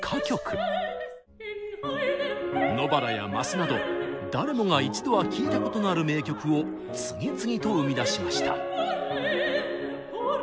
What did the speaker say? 「野ばら」や「ます」など誰もが一度は聴いたことのある名曲を次々と生み出しました。